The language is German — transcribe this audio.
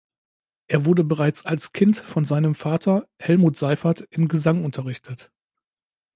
Er wurde bereits als Kind von seinem Vater, Helmut Seiffert in Gesang unterrichtet.